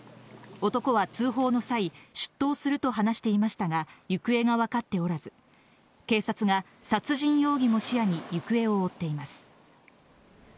男は通報の際、出頭すると話していましたが、行方が分かっておらず、警察が殺人容疑も視野に行方を追っています。